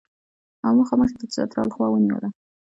او مخامخ یې د چترال خوا ونیوله.